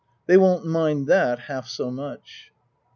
They won't mind that half so much."